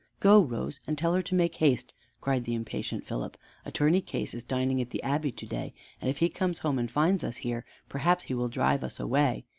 "Go, Rose, and tell her to make haste," cried the impatient Philip. "Attorney Case is dining at the Abbey to day, and if he comes home and finds us here, perhaps he will drive us away.